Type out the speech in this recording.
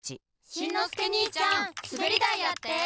しんのすけにいちゃんすべりだいやって！